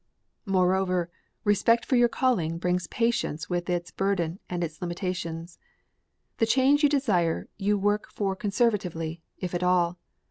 Moreover, respect for your calling brings patience with its burden and its limitations. The change you desire you work for conservatively, if at all.